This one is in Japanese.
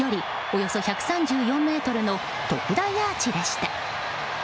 およそ１３４ｍの特大アーチでした。